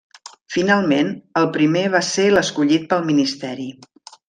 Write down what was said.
Finalment el primer va ser l'escollit pel Ministeri.